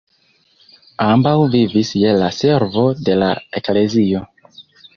Ambaŭ vivis je la servo de la eklezio.